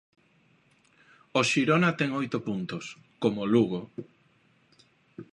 O Xirona ten oito puntos, como o Lugo.